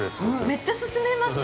◆めっちゃ勧めますね。